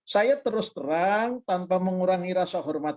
saya terus terang tanpa mengurangi rasa hormat